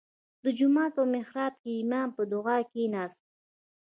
• د جومات په محراب کې امام په دعا کښېناست.